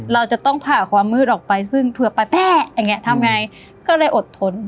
เราจะต้องผ่าความมืดออกไปซึ่งเผื่อแป๊ะอย่างนี้ทำไงก็เลยอดทน